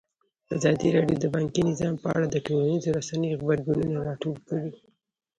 ازادي راډیو د بانکي نظام په اړه د ټولنیزو رسنیو غبرګونونه راټول کړي.